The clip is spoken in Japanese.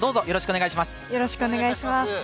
よろしくお願いします。